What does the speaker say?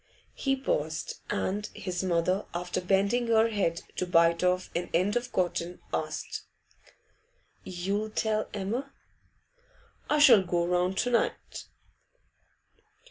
He paused, and his mother, after bending her head to bite off an end of cotton, asked 'You'll tell Emma?' 'I shall go round to night.